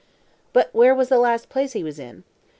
"But where was the last place he was in?"